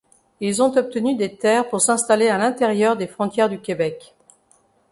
Ils ont obtenu des terres pour s'installer à l'intérieur des frontières du Québec.